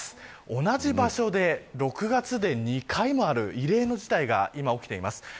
同じ場所で６月で２回もある異例の事態が今、起きています。